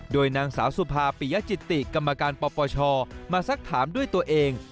โดยนางสาวสุภาปิยจิติกรรมการปปชมาสักถามด้วยตัวเอง